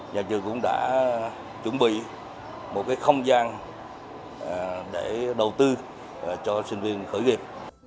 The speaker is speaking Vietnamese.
nhà trường cũng đã chuẩn bị một không gian để đầu tư cho sinh viên khởi nghiệp